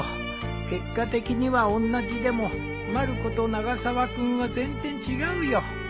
結果的にはおんなじでもまる子と永沢君は全然違うよ